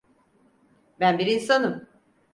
Ben bir insanım!